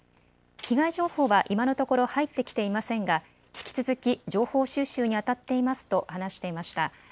被害情報は今のところ入ってきていませんが、引き続き情報収集にあたっていますと話していました。